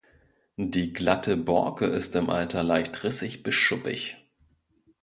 Die glatte Borke ist im Alter leicht rissig bis schuppig.